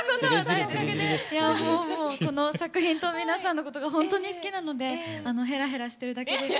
この作品と皆さんのことがほんとに好きなのでへらへらしてるだけです。